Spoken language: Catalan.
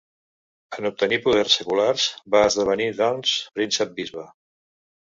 En obtenir poders seculars, va esdevenir doncs príncep-bisbe.